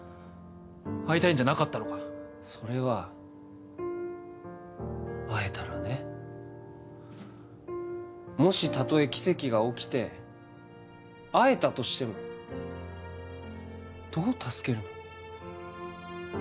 会いたいんじゃなかったのかそれは会えたらねもしたとえ奇跡が起きて会えたとしてもどう助けるの？